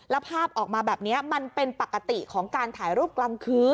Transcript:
แล้วภาพออกมาแบบนี้มันเป็นปกติของการถ่ายรูปกลางคืน